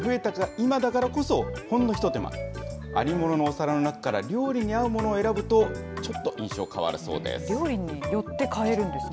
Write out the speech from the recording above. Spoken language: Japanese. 今だからこそ、ほんの一手間、ありもののお皿の中から料理に合うものを選ぶと、料理によって変えるんですね。